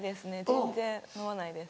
全然飲まないです。